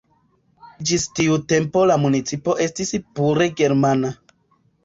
Ĝis tiu tempo la municipo estis pure germana.